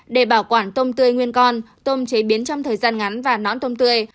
để bảo quản tôm tươi nguyên con tôm chế biến trong thời gian ngắn và nón tôm tươi